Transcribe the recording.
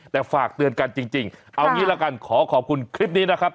แต่ฝากเตือนกันจริงเอางี้ละกันขอขอบคุณคลิปนี้นะครับ